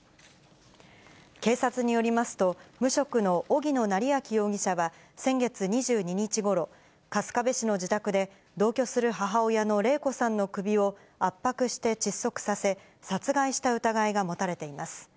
警察によりますと、無職の荻野成訓容疑者は先月２２日ごろ、春日部市の自宅で、同居する母親の礼子さんの首を圧迫して窒息させ、殺害した疑いが持たれています。